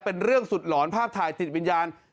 เป็นเรื่องสุดหลอนภาพถ่ายติดวิญญาณ